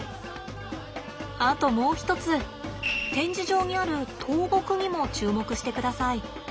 あともう一つ展示場にある倒木にも注目してください。